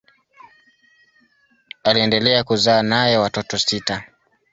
Aliendelea kuzaa naye watoto sita.